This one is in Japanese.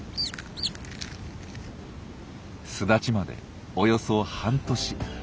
巣立ちまでおよそ半年。